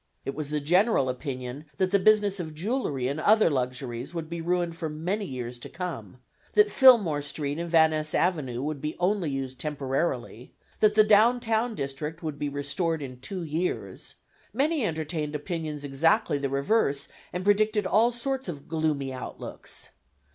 It was the general opinion that the business of jewelry and other luxuries, would be ruined for many years to come; that Fillmore Street and Van Ness Avenue would be only used temporarily; that the down town district would be restored in two years many entertained opinions exactly the reverse, and predicted all sorts of gloomy outlooks.